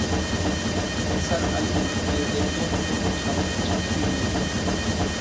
নিসার আলি গিয়ে দেখলেন কোনো ছাত্র-ছাত্রী নেই।